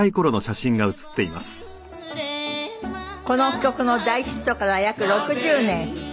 この曲の大ヒットから約６０年。